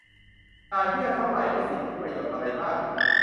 จ่ายเบี้ยเท่าไร ได้สิทธิประโยชน์อะไรบ้าง